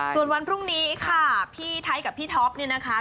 ส่วนวันพรุ่งนี้ค่ะพี่ไทยกับพี่ท็อปเนี่ยนะคะ